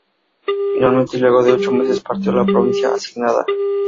Finalmente y luego de ocho meses partió a la provincia asignada.